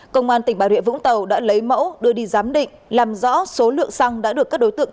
công an tỉnh bà rịa vũng tàu đã lấy mẫu đưa đi giám định làm rõ số lượng xăng đã được các đối tượng